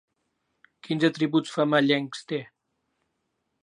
Quins atributs femellencs té?